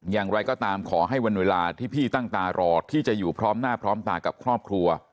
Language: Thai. อย่างไรก็ตามขอให้วันเวลาที่พี่ตั้งตารอที่จะอยู่พร้อมหน้าพร้อมตากับครอบครัว